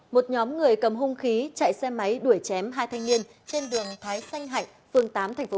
một nhóm người cầm hung khí chạy xe máy đuổi chém hai thanh niên trên đường thái xanh hạnh